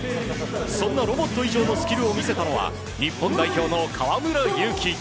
そんなロボット以上のスキルを見せたのは日本代表の河村勇輝選手。